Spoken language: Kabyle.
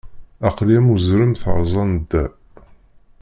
Aql-i am uzrem teṛẓa nnda.